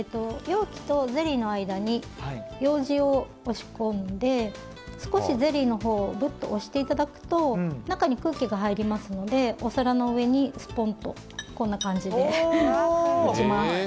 容器とゼリーの間にようじを押し込んで少しゼリーのほうをぐっと押していただくと中に空気が入りますのでお皿の上にスポンと落ちます。